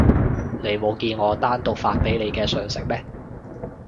你冇見我單獨發畀你嘅訊息咩？